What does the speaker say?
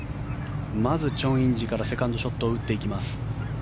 まずチョン・インジからセカンドショットを打っていきます。